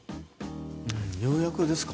ようやくですか。